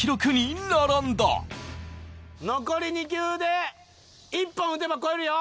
残り２球で１本打てば超えるよ。